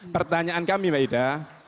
pertanyaan kami maida